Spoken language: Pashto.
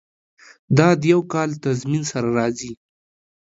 دا د یو کال تضمین سره راځي.